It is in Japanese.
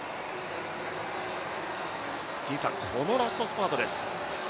このラストスパートです。